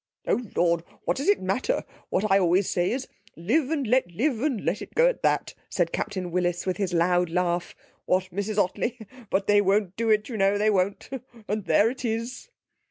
'O Lord! what does it matter? What I always say is live and let live, and let it go at that,' said Captain Willis, with his loud laugh. 'What, Mrs Ottley? But they won't do it, you know they won't and there it is!'